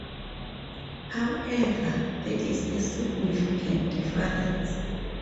However, there is a significant difference.